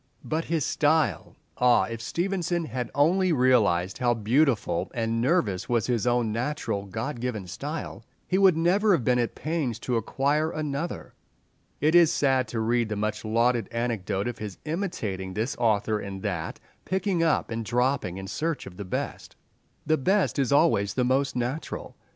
But his style! Ah, if Stevenson had only realized how beautiful and nervous was his own natural God given style, he would never have been at pains to acquire another! It is sad to read the much lauded anecdote of his imitating this author and that, picking up and dropping, in search of the best. The best is always the most natural.